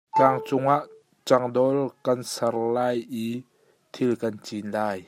Tlangcung ah cangdawl kan ser lai i thil kan cin lai.